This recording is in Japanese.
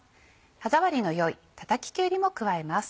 歯触りの良いたたききゅうりも加えます。